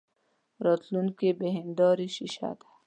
راتلونکې بې هیندارې شیشه ده.